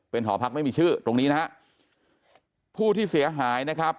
หอพักไม่มีชื่อตรงนี้นะฮะผู้ที่เสียหายนะครับ